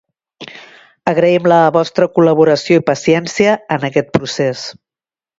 Agraïm la vostra col·laboració i paciència en aquest procés.